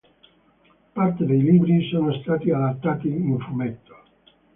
Parte dei libri sono stati adattati in fumetto.